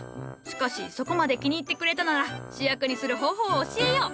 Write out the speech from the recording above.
しかしそこまで気に入ってくれたなら主役にする方法を教えよう。